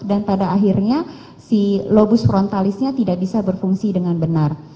dan pada akhirnya si lobus frontalisnya tidak bisa berfungsi dengan benar